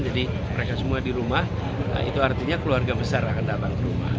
jadi mereka semua di rumah itu artinya keluarga besar akan datang ke rumah